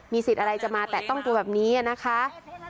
มีสิทธิ์อัลไลเอ์จะมาแตะต้องกูแบบนี้นะคะ